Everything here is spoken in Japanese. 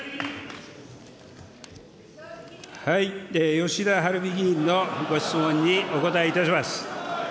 吉田はるみ議員のご質問にお答えいたします。